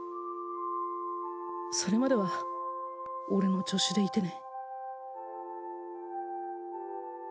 それまでは俺の助手でいてね